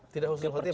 tidak usul khotimah